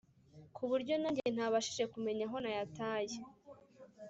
kuburyo nanjye ntabashije kumenya aho nayataye